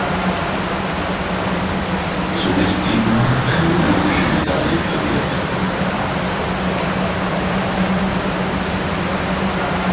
Somit blieb ihnen eine olympische Medaille verwehrt.